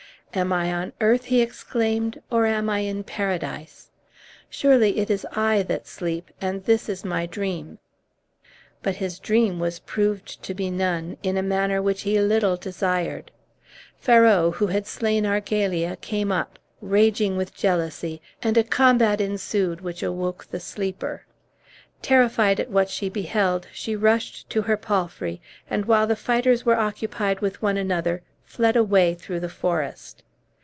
"Am I on earth," he exclaimed, "or am I in Paradise? Surely it is I that sleep, and this is my dream." But his dream was proved to be none in a manner which he little desired. Ferrau, who had slain Argalia, came up, raging with jealousy, and a combat ensued which awoke the sleeper. Terrified at what she beheld, she rushed to her palfrey, and, while the fighters were occupied with one another, fled away through the forest.